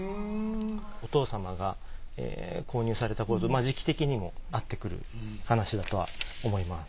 お父様が購入された時期的にも合ってくる話だとは思います。